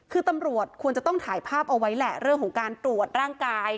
คือตำรวจควรจะต้องถ่ายภาพเอาไว้แหละเรื่องของการตรวจร่างกาย